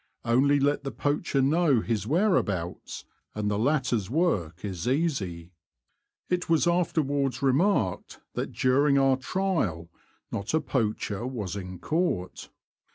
Only let the poacher know his whereabouts, and the latter's work is easy. It was afterwards remarked that during our trial not a poacher was in court.